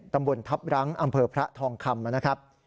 ตำบลทัพรั้งอำเภอพระทองคำนะครับ